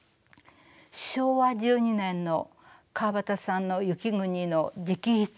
昭和１２年の川端さんの「雪国」の直筆